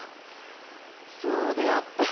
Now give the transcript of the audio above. そうであった！